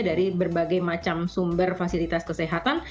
dari berbagai macam sumber fasilitas kesehatan